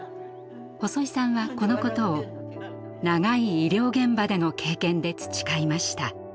細井さんはこのことを長い医療現場での経験で培いました。